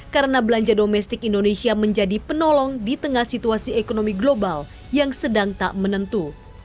karena belanja domestik indonesia menjadi penolong di tengah situasi ekonomi global yang sedang tak menentu